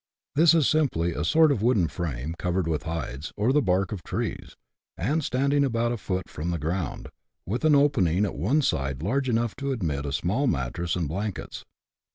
This is simply a sort of wooden frame, covered with hides, or the bark of trees, and standing about a foot from the ground, with an opening at one side large enough to admit a small mattress and blankets.